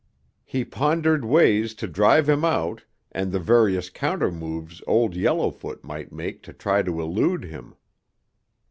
He pondered ways to drive him out and the various countermoves Old Yellowfoot might make to try to elude him.